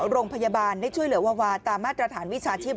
โรงพยาบาลได้ช่วยเหลือวาวาตามมาตรฐานวิชาชีพ